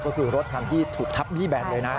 ก็คือรถคันที่ถูกทับบี้แบนเลยนะ